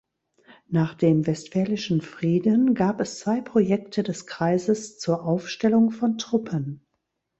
Nach dem Westfälischen Frieden gab es zwei Projekte des Kreises zur Aufstellung von Truppen.